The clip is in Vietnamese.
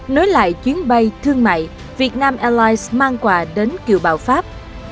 nối lại chuyến bay thương mại việt nam airlines mang quà đến kiều bào pháp